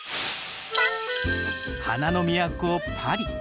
花の都パリ。